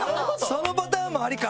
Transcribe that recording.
そのパターンもありか！